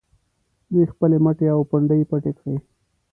دوی خپلې مټې او پنډۍ پټې کړي.